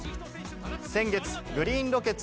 先月、グリーンロケッツ